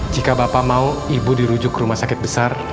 jika bapak mau ibu dirujuk ke rumah sakit besar